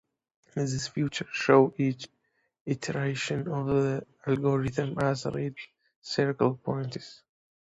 This figure shows each iteration of the algorithm as red circle points.